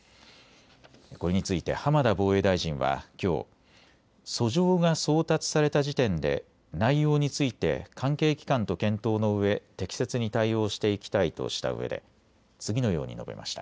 これについて浜田防衛大臣はきょう訴状が送達された時点で内容について関係機関と検討のうえ適切に対応していきたいとしたうえで次のように述べました。